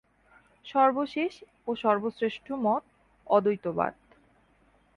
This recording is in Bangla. সর্বশেষ ও সর্বশ্রেষ্ঠ মত অদ্বৈতবাদ।